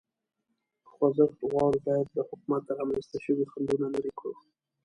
که خوځښت غواړو، باید د حکومت رامنځ ته شوي خنډونه لرې کړو.